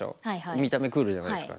見た目クールじゃないですか。